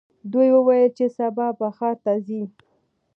دوی وویل چې سبا به ښار ته ځي.